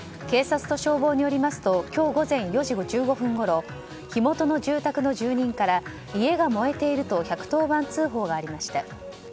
警察と消防によりますと今日午前４時１５分ごろ火元の住宅の住人から家が燃えていると１１０番通報がありました。